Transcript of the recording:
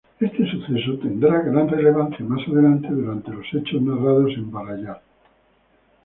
Este suceso tendrá gran relevancia más adelante, durante los hechos narrados en "Barrayar".